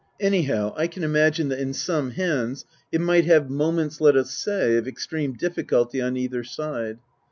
Anyhow, I can imagine that in some hands it might have moments, let us say, of extreme difficulty on either side.